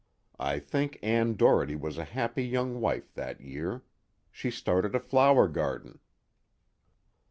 I think Ann Doherty was a happy young wife that year. She started a flower garden."